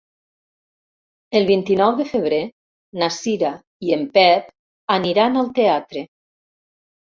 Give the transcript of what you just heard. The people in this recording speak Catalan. El vint-i-nou de febrer na Cira i en Pep aniran al teatre.